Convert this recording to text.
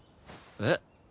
えっ？